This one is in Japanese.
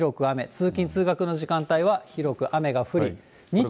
通勤・通学の時間帯は広く雨が降り、日中。